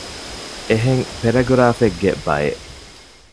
އެހެން ޕެރެގުރާފެއްގެ ބައެއް